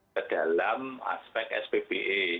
ke dalam aspek sppa